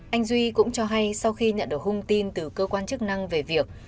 anh duy cũng cho hay sau khi nhận được hung tin từ cơ quan chức năng về việc